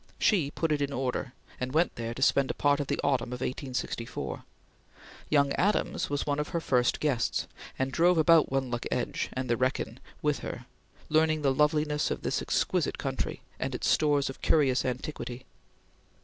She put it in order, and went there to spend a part of the autumn of 1864. Young Adams was one of her first guests, and drove about Wenlock Edge and the Wrekin with her, learning the loveliness of this exquisite country, and its stores of curious antiquity.